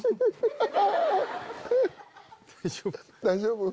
大丈夫？